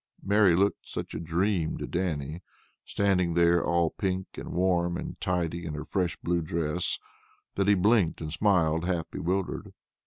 Mary looked such a dream to Dannie, standing there all pink and warm and tidy in her fresh blue dress, that he blinked and smiled, half bewildered.